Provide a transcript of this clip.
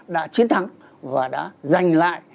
đã chiến thắng và đã giành lại